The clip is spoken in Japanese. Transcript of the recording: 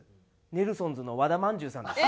ネルソンズの和田まんじゅうさんです。